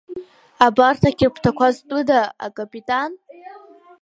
Абарҭ ақьаԥҭақәа зтәыда, акапитан?